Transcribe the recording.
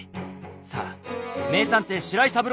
さあ名探偵白井三郎。